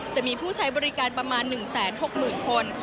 จะมีผู้ใช้บริการประมาณ๑๖๐๐๐คน